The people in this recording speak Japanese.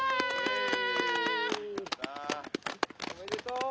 おめでとう。